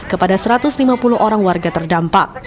kepada satu ratus lima puluh orang warga terdampak